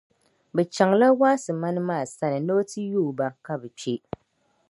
Bɛ chaŋla Waasimani maa sani ni o ti yooi ba ka bɛ kpe.